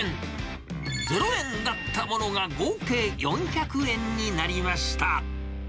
ゼロ円だったものが、合計４００円になりました。